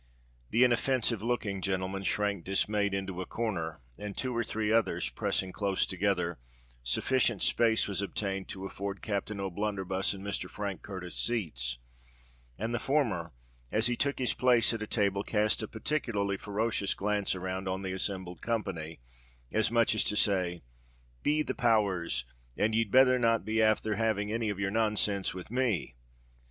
The inoffensive looking gentleman shrank dismayed into a corner, and, two or three others pressing closer together, sufficient space was obtained to afford Captain O'Blunderbuss and Mr. Frank Curtis seats; and the former, as he took his place at a table, cast a particularly ferocious glance around on the assembled company, as much as to say, "Be the power rs! and ye'd betther not be afther having any of your nonsense with me!"